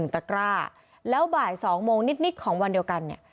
ตะกร้าแล้วบ่าย๒โมงนิดของวันเดียวกันเนี่ย